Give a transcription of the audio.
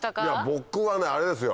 僕はねあれですよ。